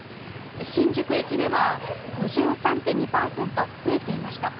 新宿駅では５３．２％増えていました。